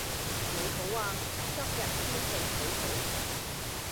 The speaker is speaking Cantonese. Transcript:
你好呀,今日天氣好好